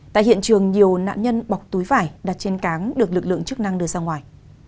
tại hiện trường nhiều nạn nhân bọc túi vải đặt trên cáng được lực lượng chức năng đưa ra ngoài